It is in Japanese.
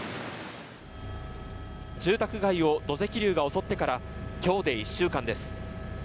住宅街を土石流が襲ってから今日で１週間です。